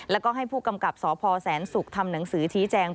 แล้วก็ให้ผู้กำกับสพแสนศุกร์ทำหนังสือชี้แจง